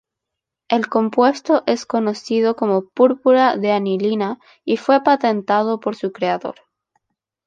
El compuesto es conocido como púrpura de anilina y fue patentado por su creador.